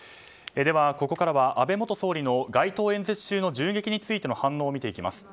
では、ここからは安倍元総理の街頭演説中の銃撃についての反応を見ていきます。